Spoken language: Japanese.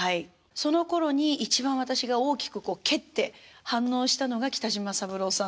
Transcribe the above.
そのころに一番私が大きくこう蹴って反応したのが北島三郎さんの歌だったそうなんです。